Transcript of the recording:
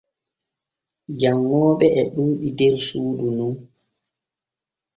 Janŋooɓe e ɗuuɗi der suudu nu.